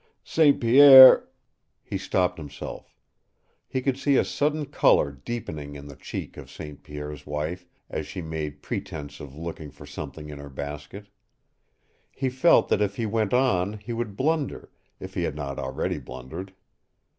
"St. Pierre " He stopped himself. He could see a sudden color deepening in the cheek of St. Pierre's wife as she made pretense of looking for something in her basket. He felt that if he went on he would blunder, if he had not already blundered.